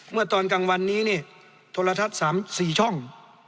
เมื่อตอนกลางวันนี้เนี่ยโทรทัศน์๓๔ช่อง